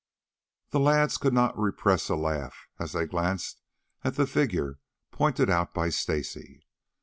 The lads could not repress a laugh as they glanced at the figure pointed out by Stacy.